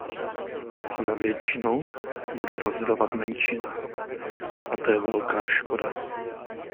Za většinu bude rozhodovat menšina, a to je velká škoda.